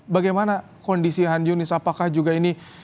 bagaimana kondisi han yunis apakah juga ini